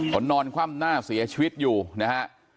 เขานอนคว่ำหน้าเสียชีวิตอยู่นะฮะ